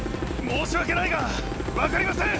申し訳ないが分かりません。